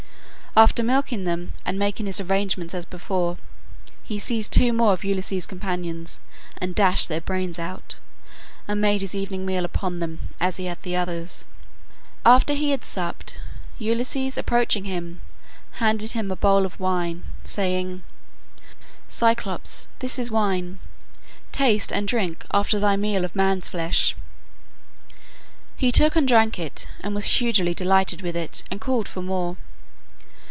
After milking them and making his arrangements as before, he seized two more of Ulysses' companions and dashed their brains out, and made his evening meal upon them as he had on the others. After he had supped, Ulysses approaching him handed him a bowl of wine, saying, "Cyclops, this is wine; taste and drink after thy meal of men's flesh." He took and drank it, and was hugely delighted with it, and called for more.